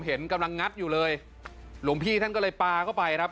เห็นกำลังงัดอยู่เลยหลวงพี่ท่านก็เลยปลาเข้าไปครับ